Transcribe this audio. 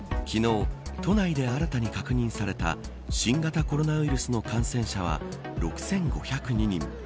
昨日、都内で新たに確認された新型コロナウイルスの感染者は６５０２人。